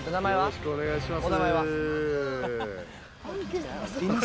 よろしくお願いします